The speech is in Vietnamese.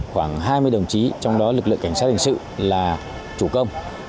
khoảng hai mươi đồng chí trong đó lực lượng cảnh sát hình sự là chủ công